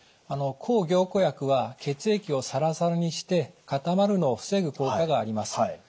抗凝固薬は血液をサラサラにして固まるのを防ぐ効果があります。